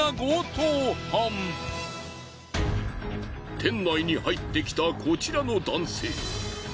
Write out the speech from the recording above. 店内に入ってきたこちらの男性。